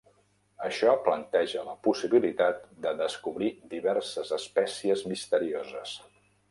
Això planteja la possibilitat de descobrir diverses espècies misterioses.